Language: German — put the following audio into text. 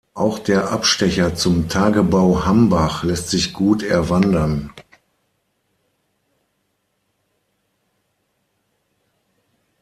Auch der Abstecher zum Tagebau Hambach lässt sich gut erwandern.